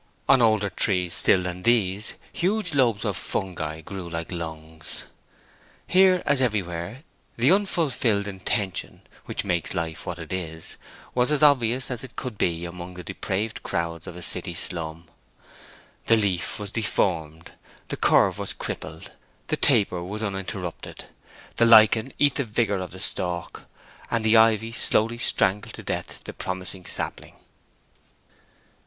On older trees still than these, huge lobes of fungi grew like lungs. Here, as everywhere, the Unfulfilled Intention, which makes life what it is, was as obvious as it could be among the depraved crowds of a city slum. The leaf was deformed, the curve was crippled, the taper was interrupted; the lichen eat the vigor of the stalk, and the ivy slowly strangled to death the promising sapling.